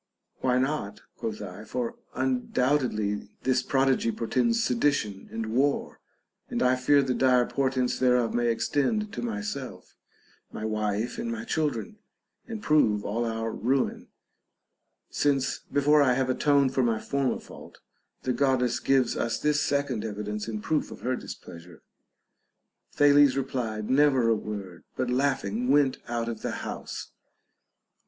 Why not] quoth I, for undoubtedly this prodigy portends sedition and war, and I fear the dire portents thereof may extend to my self, my wife, and my children, and prove all our ruin ; since, before I have atoned for my former fault, the God dess gives us this second evidence and proof of her dis pleasure. Thales replied never a word, but laughing went THE BANQUET OF THE SEVEN WISE MEN. H out of the house.